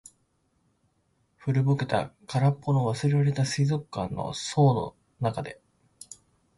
古ぼけた、空っぽの、忘れられた水族館の槽の中で。